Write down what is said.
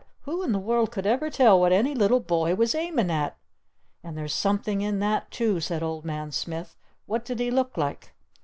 Who in the world could ever tell what any little boy was aimin' at?" "And there's something in that, too!" said Old Man Smith. "What did he look like?"